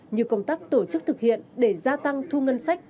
như công tác tổ chức thực hiện để gia tăng thu ngân sách